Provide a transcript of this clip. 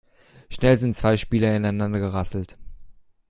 Schnell sind zwei Spieler ineinander gerasselt.